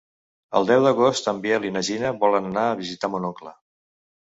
El deu d'agost en Biel i na Gina volen anar a visitar mon oncle.